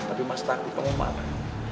tapi mas takut mau malah